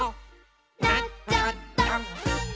「なっちゃった！」